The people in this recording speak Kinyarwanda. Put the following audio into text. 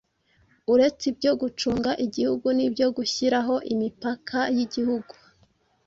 Uretse ibyo gucunga igihugu n'ibyo gushyiraho imipaka y'igihugu